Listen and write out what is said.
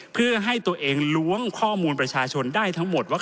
เพื่อให้ตัวเองล้วงข้อมูลประชาชนได้ทั้งหมดว่า